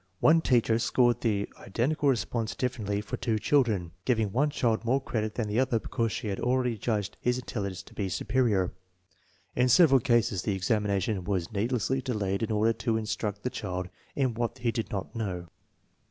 One teacher scored the identical response differently for two children, giving one child more OHM lit than the other because she hud already judged his intelligence lo be superior. In several oases the examination was needlessly delayed in order to instruct the child in what ho did not know.